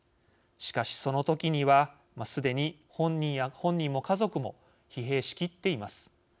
しかし、その時にはすでに、本人も家族も疲弊しきっています。